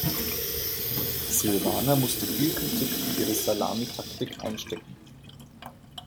Silvana musste viel Kritik für ihre Salamitaktik einstecken.